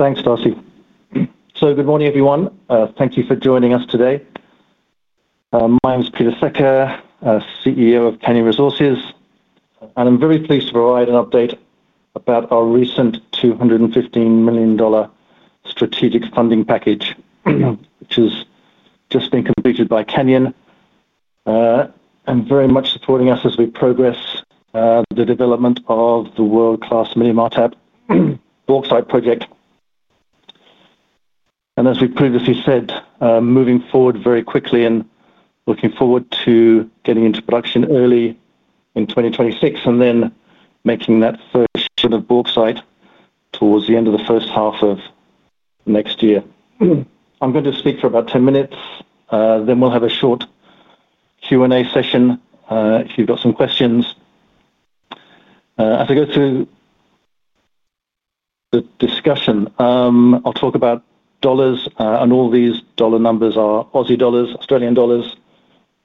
Thanks, Darcy. Good morning, everyone. Thank you for joining us today. My name is Peter Secker, CEO of Canyon Resources Limited, and I'm very pleased to provide an update about our recent $215 million strategic funding package, which has just been completed by Canyon Resources Limited, and very much supporting us as we progress the development of the world-class Minim Martap Bauxite Project. As we previously said, moving forward very quickly and looking forward to getting into production early in 2026 and then making that first version of bauxite towards the end of the first half of next year. I'm going to speak for about 10 minutes. We'll have a short Q&A session if you've got some questions. As I go through the discussion, I'll talk about dollars, and all these dollar numbers are Aussie dollars, Australian dollars,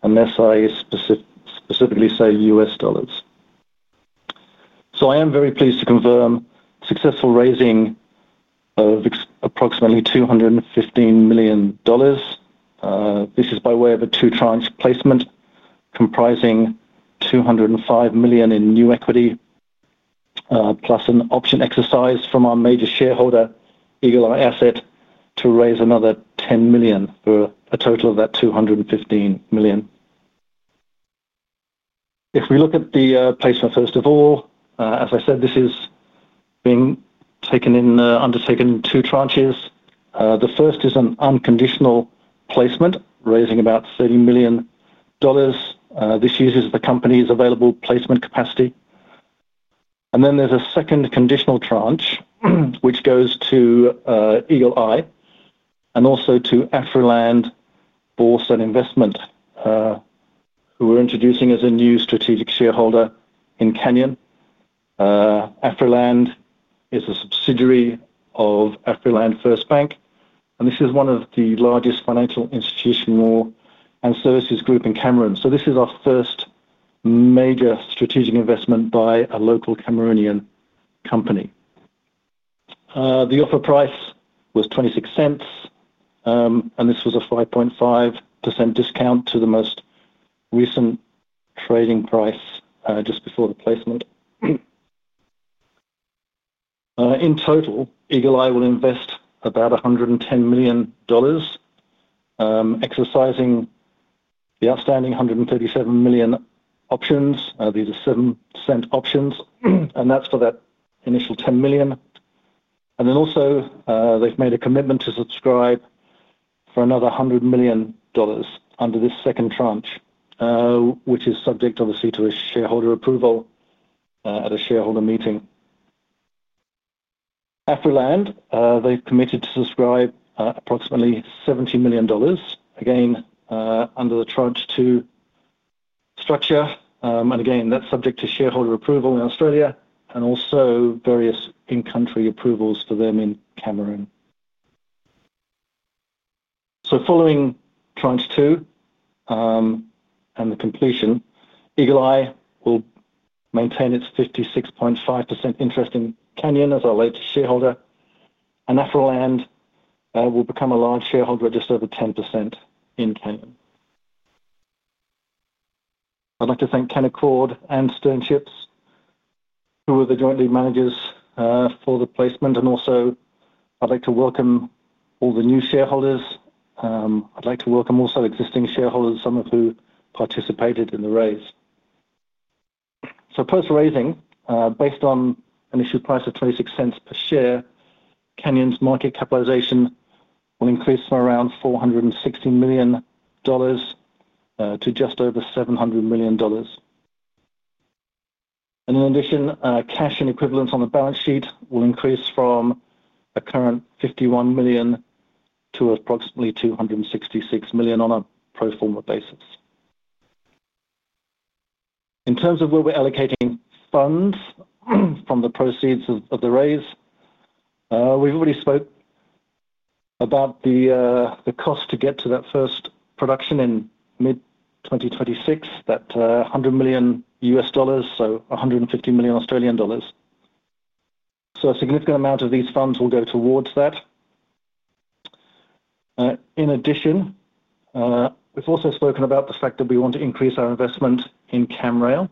unless I specifically say U.S. dollars. I am very pleased to confirm successful raising of approximately $215 million. This is by way of a two-tranche placement, comprising $205 million in new equity, plus an option exercise from our major shareholder, Eagle Eye Asset Holdings Pte Ltd, to raise another $10 million, for a total of that $215 million. If we look at the placement, first of all, as I said, this is being undertaken in two tranches. The first is an unconditional placement, raising about $30 million. This uses the company's available placement capacity. There is a second conditional tranche, which goes to Eagle Eye Asset Holdings Pte Ltd and also to Afriland Bauxite Investment, who we're introducing as a new strategic shareholder in Canyon Resources Limited. Afriland Bauxite Investment is a subsidiary of Afriland First Bank, and this is one of the largest financial institutions and services groups in Cameroon. This is our first major strategic investment by a local Cameroonian company. The offer price was $0.26, and this was a 5.5% discount to the most recent trading price just before the placement. In total, Eagle Eye Asset Holdings Pte Ltd will invest about $110 million, exercising the outstanding 137 million options. These are 7% options, and that's for that initial $10 million. They've also made a commitment to subscribe for another $100 million under this second tranche, which is subject, obviously, to a shareholder approval at a shareholder meeting. Afriland Bauxite Investment has committed to subscribe approximately $70 million, again under the tranche two structure, and again, that's subject to shareholder approval in Australia and also various in-country approvals for them in Cameroon. Following tranche two and the completion, Eagle Eye Asset Holdings Pte Ltd will maintain its 56.5% interest in Canyon Resources Limited as our latest shareholder, and Afriland Bauxite Investment will become a large shareholder registered with 10% in Canyon. I'd like to thank Canaccord and Sternship, who were the joint lead managers for the placement, and also I'd like to welcome all the new shareholders. I'd like to welcome also existing shareholders, some of whom participated in the raise. Post-raising, based on an issue price of $0.26 per share, Canyon's market capitalization will increase from around $460 million to just over $700 million. In addition, cash and equivalents on the balance sheet will increase from a current $51 million to approximately $266 million on a pro forma basis. In terms of where we're allocating funds from the proceeds of the raise, we've already spoken about the cost to get to that first production in mid-2026, that $100 million U.S. dollars, so $150 million Australian dollars. A significant amount of these funds will go towards that. In addition, we've also spoken about the fact that we want to increase our investment in CAMRAIL,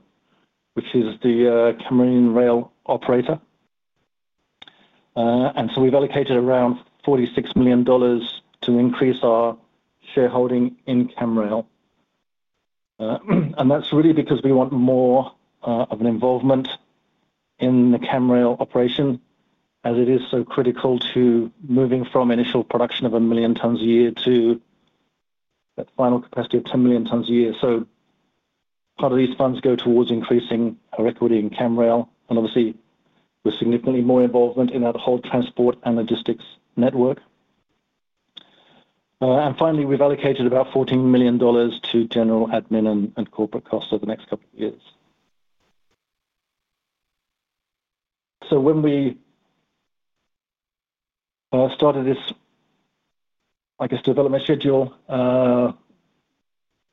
which is the Cameroon rail operator. We've allocated around $46 million to increase our shareholding in CAMRAIL. That's really because we want more of an involvement in the CAMRAIL operation, as it is so critical to moving from initial production of a million tons a year to that final capacity of 10 million tons a year. Part of these funds go towards increasing our equity in CAMRAIL, and obviously, with significantly more involvement in that whole transport and logistics network. Finally, we've allocated about $14 million to general admin and corporate costs over the next couple of years. When we started this development schedule,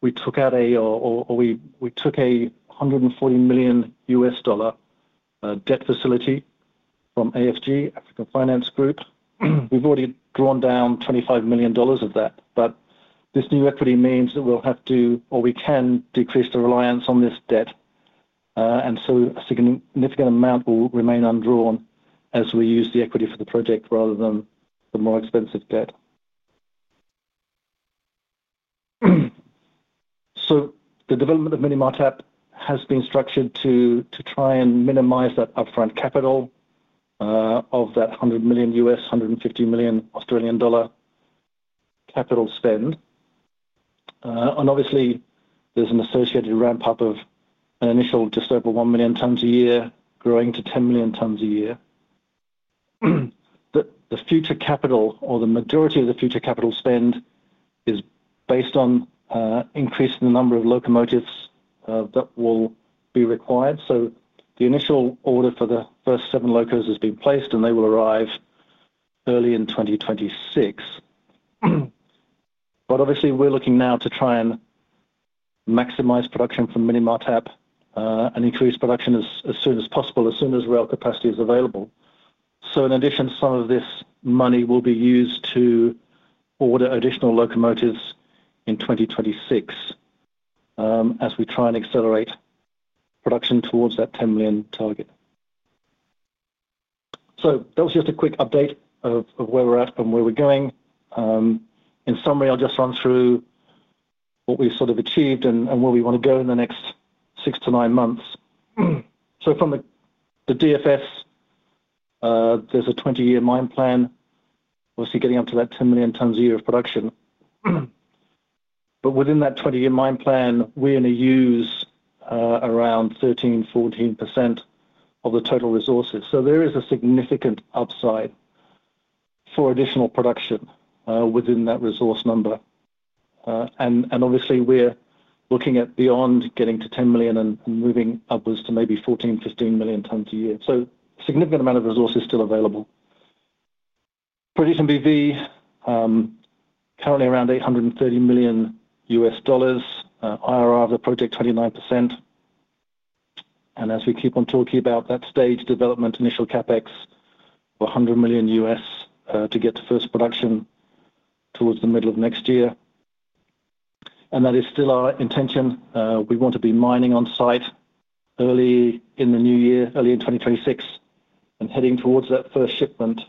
we took a $140 million U.S. dollar debt facility from African Finance Group. We've already drawn down $25 million of that, but this new equity means that we'll have to, or we can decrease the reliance on this debt. A significant amount will remain undrawn as we use the equity for the project rather than the more expensive debt. The development of Minim Martap has been structured to try and minimize that upfront capital of that $100 million U.S., $150 million Australian dollar capital spend. Obviously, there's an associated ramp-up of an initial just over 1 million tons a year, growing to 10 million tons a year. The future capital, or the majority of the future capital spend, is based on increasing the number of locomotives that will be required. The initial order for the first seven locos has been placed, and they will arrive early in 2026. Obviously, we're looking now to try and maximize production for Minim Martap and increase production as soon as possible, as soon as rail capacity is available. In addition, some of this money will be used to order additional locomotives in 2026 as we try and accelerate production towards that 10 million target. That was just a quick update of where we're at and where we're going. In summary, I'll just run through what we've sort of achieved and where we want to go in the next six to nine months. From the DFS, there's a 20-year mine plan, obviously getting up to that 10 million tons a year of production. Within that 20-year mine plan, we're going to use around 13-14% of the total resources. There is a significant upside for additional production within that resource number. Obviously, we're looking at beyond getting to 10 million and moving upwards to maybe 14-15 million tons a year. A significant amount of resources still available. Producing NPV, currently around $830 million US dollars. IRR of the project, 29%. As we keep on talking about that stage development, initial CapEx of $100 million US to get to first production towards the middle of next year. That is still our intention. We want to be mining on site early in the new year, early in 2026, and heading towards that first shipment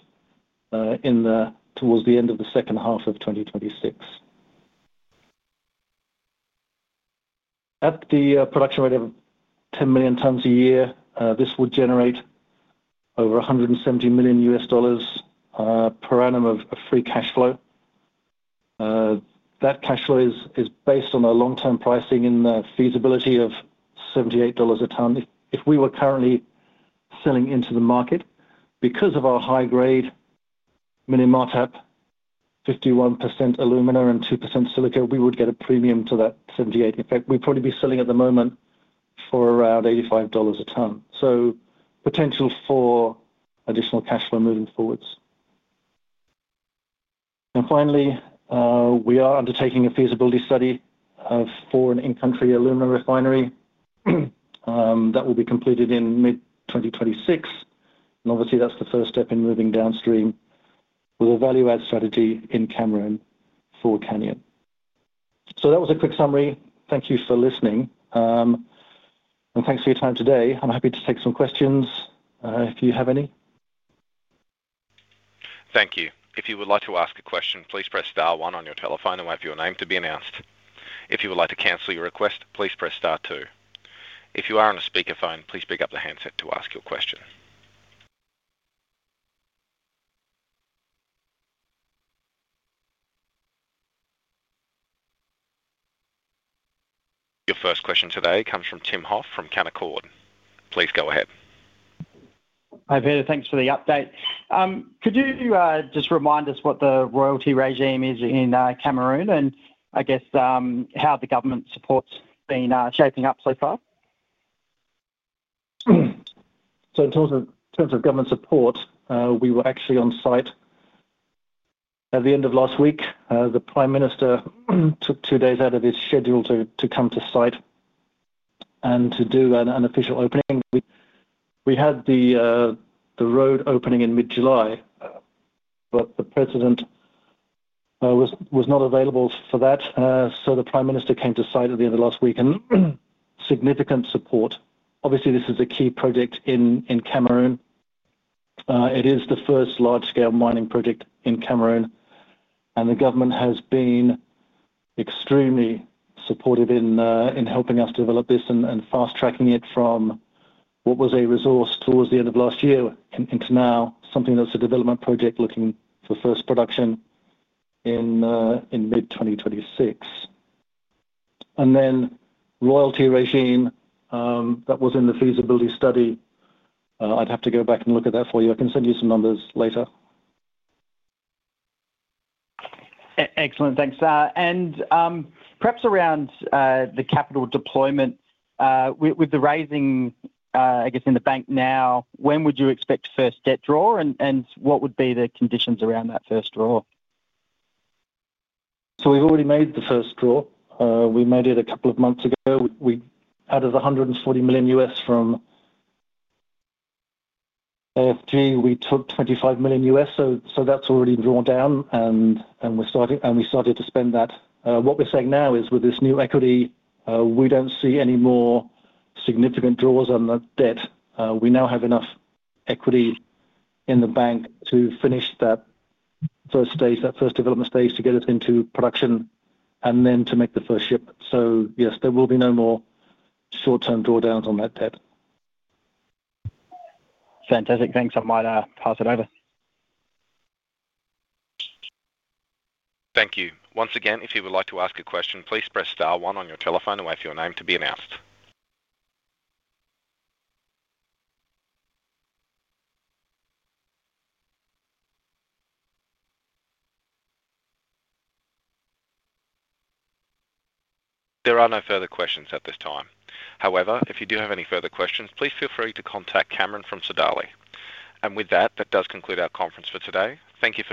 towards the end of the second half of 2026. At the production rate of 10 million tons a year, this would generate over $170 million US dollars per annum of free cash flow. That cash flow is based on our long-term pricing and the feasibility of $78 a ton. If we were currently selling into the market, because of our high-grade Minim Martap, 51% aluminum and 2% silica, we would get a premium to that $78. In fact, we'd probably be selling at the moment for around $85 a ton. Potential for additional cash flow moving forwards. Finally, we are undertaking a feasibility study for an in-country alumina refinery that will be completed in mid-2026. Obviously, that's the first step in moving downstream with a value-add strategy in Cameroon for Canyon. That was a quick summary. Thank you for listening, and thanks for your time today. I'm happy to take some questions if you have any. Thank you. If you would like to ask a question, please press star one on your telephone and wait for your name to be announced. If you would like to cancel your request, please press star two. If you are on a speaker phone, please pick up the handset to ask your question. Your first question today comes from Tim Hoff from Canaccord. Please go ahead. Hi Peter, thanks for the update. Could you just remind us what the royalty regime is in Cameroon, and I guess how the government support's been shaping up so far? In terms of government support, we were actually on site at the end of last week. The Prime Minister took two days out of his schedule to come to site and to do an official opening. We had the road opening in mid-July, but the President was not available for that. The Prime Minister came to site at the end of last week and significant support. Obviously, this is a key project in Cameroon. It is the first large-scale mining project in Cameroon, and the government has been extremely supportive in helping us develop this and fast-tracking it from what was a resource towards the end of last year into now something that's a development project looking for first production in mid-2026. The royalty regime that was in the feasibility study, I'd have to go back and look at that for you. I can send you some numbers later. Excellent, thanks. Perhaps around the capital deployment with the raising, I guess, in the bank now, when would you expect first debt draw, and what would be the conditions around that first draw? We've already made the first draw. We made it a couple of months ago. We added the $140 million from African Finance Group. We took $25 million, so that's already drawn down and we started to spend that. What we're saying now is with this new equity, we don't see any more significant draws on that debt. We now have enough equity in the bank to finish that first stage, that first development stage, to get it into production and then to make the first ship. Yes, there will be no more short-term drawdowns on that debt. Fantastic, thanks. I might pass it over. Thank you. Once again, if you would like to ask a question, please press star one on your telephone and wait for your name to be announced. There are no further questions at this time. However, if you do have any further questions, please feel free to contact Cameron from Sodali. With that, that does conclude our conference for today. Thank you.